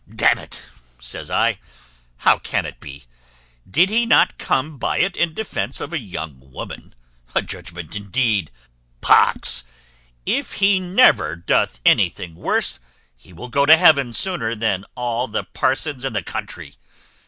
D n it, says I, how can that be? Did he not come by it in defence of a young woman? A judgment indeed! Pox, if he never doth anything worse, he will go to heaven sooner than all the parsons in the country.